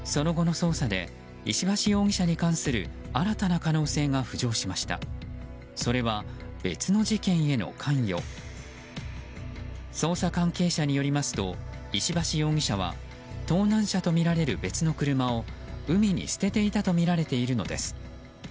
捜査関係者によりますと石橋容疑者は盗難車とみられる別の車を海に捨てていたとみられているのです。